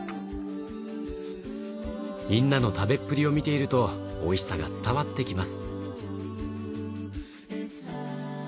みんなの食べっぷりを見ているとおいしさが伝わってきます。